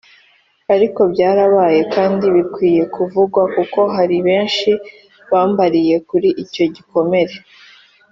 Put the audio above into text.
ariko byarabaye kandi bikwiye kuvugwa kuko hari benshi bambariye kuri icyo gikomere